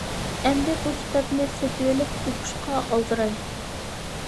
ئەمدى بۇ كىتابنى سېتىۋېلىپ ئوقۇشقا ئالدىراي.